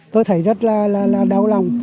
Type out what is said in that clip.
tôi thấy rất là đau lòng